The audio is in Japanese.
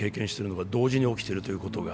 同時に起きているということが。